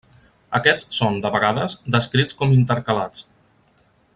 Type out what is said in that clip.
Aquests són, de vegades, descrits com intercalats.